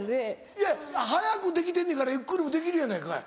いや速くできてんねんからゆっくりもできるやないかい。